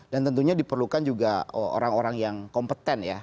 dan tentunya diperlukan juga orang orang yang kompeten ya